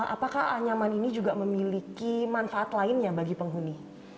apakah anyaman ini juga memiliki manfaat lainnya bagi penghuni